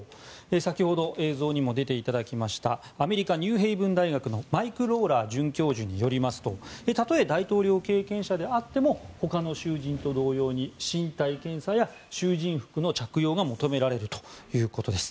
先ほど映像にも出ていただきましたアメリカニューヘイブン大学のマイク・ローラー准教授によりますとたとえ大統領経験者であってもほかの囚人と同様に身体検査や囚人服の着用が求められるということです。